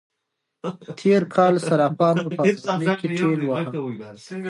تېر کال صرافانو په افغانی کې ټېل واهه.